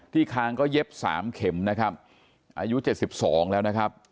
คางก็เย็บ๓เข็มนะครับอายุ๗๒แล้วนะครับ